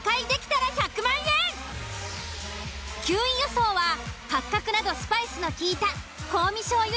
９位予想は八角などスパイスのきいた香味しょうゆ